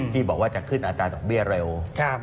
ที่บอกว่าจะขึ้นอัตราดอกเบี้ยเร็ว